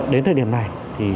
đến thời điểm này